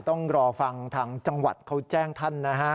ต้องรอฟังทางจังหวัดเขาแจ้งท่านนะฮะ